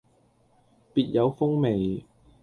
別有風味